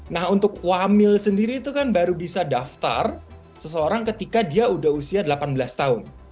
nah untuk wamil sendiri itu kan baru bisa daftar seseorang ketika dia udah usia delapan belas tahun